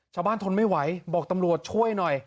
ชาวบ้านทนนไม่ไหวบอกตำรวจช่วยหน่อย